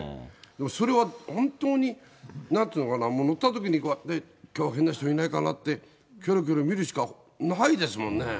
それは本当になんていうのかな、乗ったときに、きょうは変な人いないかなって、きょろきょろ見るしかないですもんね。